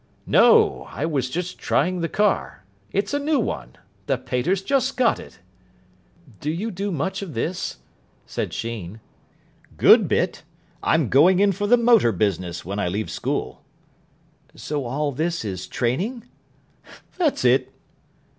"No. I was just trying the car. It's a new one. The pater's just got it." "Do you do much of this?" said Sheen. "Good bit. I'm going in for the motor business when I leave school." "So all this is training?" "That's it."